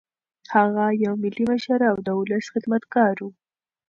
هغه یو ملي مشر او د ولس خدمتګار و.